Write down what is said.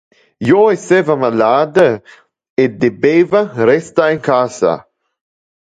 Io esseva malade e debeva restar in casa.